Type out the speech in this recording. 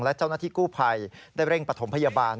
และเจ้าหน้าที่กู้ภัยได้เร่งปฐมพยาบาล